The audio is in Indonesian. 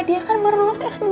dia kan baru lulus s dua